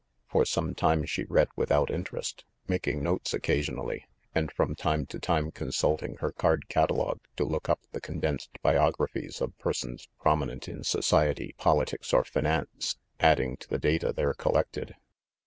' For some time she read without interest, making notes occasionally, and from time to time consulting her card catalogue to look up the condensed biog raphies of persons prominent,, in society, politics, or finance, adding to the data there collected.